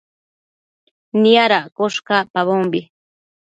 Niadaccosh cacpabombi